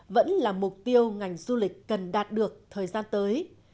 vẫn là mục tiêu ngành du lịch cần đạt được thời gian tới